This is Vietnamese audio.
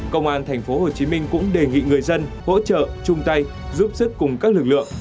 công an tp hcm cũng đề nghị người dân hỗ trợ chung tay giúp sức cùng các lực lượng